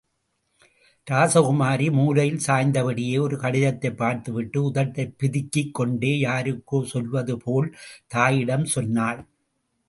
ராசகுமாரி மூலையில் சாய்ந்தபடியே ஒரு கடிதத்தைப் பார்த்துவிட்டு உதட்டைப் பிதுக்கிக் கொண்டே யாருக்கோ சொல்வதுபோல், தாயிடம் சொன்னாள்.